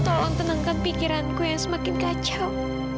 tolong tenangkan pikiranku yang semakin kacau